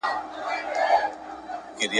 د څپو غېږته قسمت وو غورځولی ,